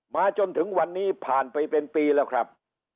จนถึงวันนี้ผ่านไปเป็นปีแล้วครับ